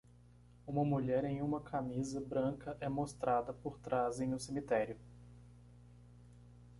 Uma mulher em uma camisa branca é mostrada por trás em um cemitério.